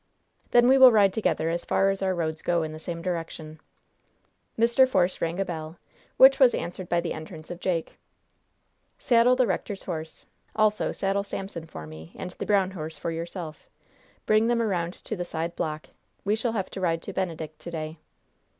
"Then we will ride together as far as our roads go in the same direction." Mr. Force rang a bell, which was answered by the entrance of Jake. "Saddle the rector's horse; also saddle Samson for me, and the brown horse for yourself. Bring them around to the side block. We shall have to ride to Benedict to day."